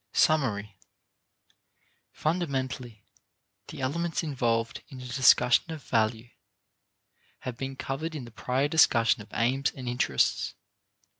Summary. Fundamentally, the elements involved in a discussion of value have been covered in the prior discussion of aims and interests.